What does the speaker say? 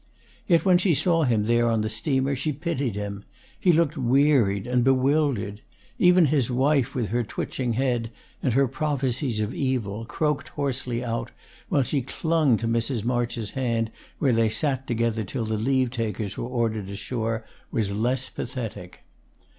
Yet when she saw him there on the steamer, she pitied him; he looked wearied and bewildered; even his wife, with her twitching head, and her prophecies of evil, croaked hoarsely out, while she clung to Mrs. March's hand where they sat together till the leave takers were ordered ashore, was less pathetic.